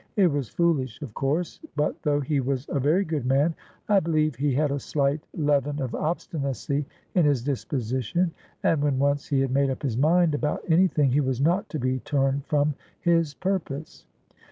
It was foolish, of course ; but, though he was a very good man, I believe he had a slight leaven of obstinacy in his disposition, and when once he had made up his mind about anything he was not to be turned from his purpose.'